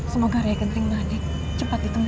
semoga rai kenteri manik cepat ditemukan